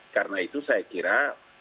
karena itu saya kira